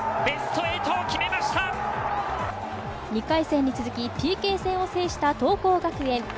２回戦に続き、ＰＫ戦を制した桐光学園。